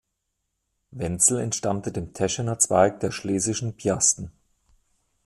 Wenzel entstammte dem Teschener Zweig der Schlesischen Piasten.